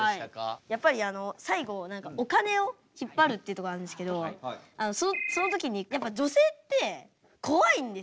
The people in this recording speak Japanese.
やっぱりあの最後お金を引っ張るってとこあるんですけどその時にやっぱ女性って怖いんですよ。